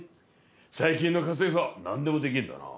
最近の家政婦はなんでもできるんだな。